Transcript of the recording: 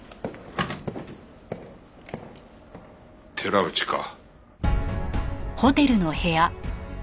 寺内か。